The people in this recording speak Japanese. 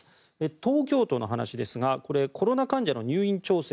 東京都の話ですがコロナ患者の入院調整